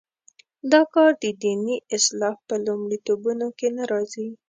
دا کار د دیني اصلاح په لومړیتوبونو کې نه راځي.